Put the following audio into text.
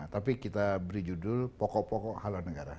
tapi kita beri judul pokok pokok halal negara